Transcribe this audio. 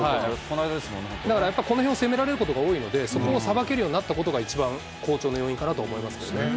だから、やっぱりこのへんを攻められることが多いので、そこをさばけるようになったことが、一番、好調の要因かなと思いますけどね。